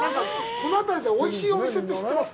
この辺りでおいしいお店って知ってます？